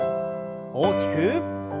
大きく。